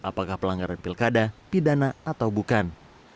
apakah pelanggaran pilkada pidana atau bukan